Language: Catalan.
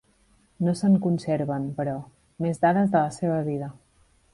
No se'n conserven, però, més dades de la seva vida.